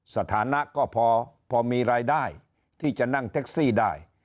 สถานะก็พอมีรายได้ที่จะนั่งแท็กซี่ได้